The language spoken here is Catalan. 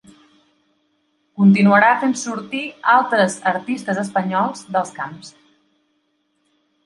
Continuarà fent sortir altres artistes espanyols dels camps.